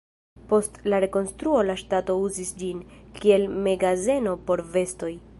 Post la rekonstruo la ŝtato uzis ĝin, kiel magazeno por vestoj.